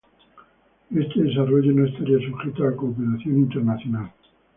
Este desarrollo no estaría sujeto a cooperación internacional.